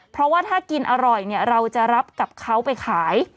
เพราะว่าถ้ากินอร่อยเนี่ยเราจะรับกับเขาไปขาย